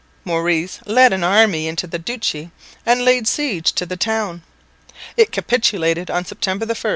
Maurice led an army into the duchy and laid siege to the town. It capitulated on September 1.